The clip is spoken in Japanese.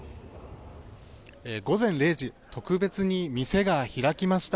午前０時特別に店が開きました。